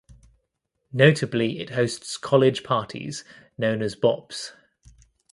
Notably it hosts college parties known as bops.